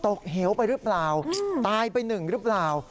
เหวไปหรือเปล่าตายไปหนึ่งหรือเปล่า